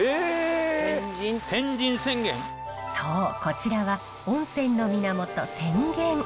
そうこちらは温泉の源泉源。